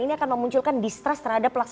ini akan memunculkan distres terhadap